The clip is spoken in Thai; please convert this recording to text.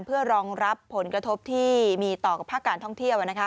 เพื่อรองรับผลกระทบที่มีต่อกับภาคการท่องเที่ยว